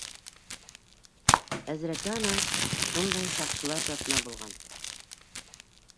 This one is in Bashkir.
Әзрәҡә ана шундай шаҡшылар затынан булған.